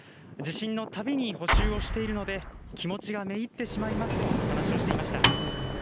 地震のたびに補修をしているので気持ちがめいってしまいますと話をしていました。